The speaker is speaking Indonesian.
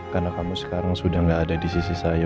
karena kamu sekarang sudah gak ada di sisi saya